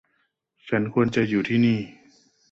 ฉันควรจะอยู่ที่นี่